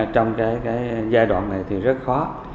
trong cái giai đoạn này thì rất khó